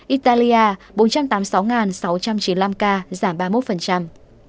italia bốn trăm tám mươi sáu sáu trăm chín mươi năm ca giảm ba mươi một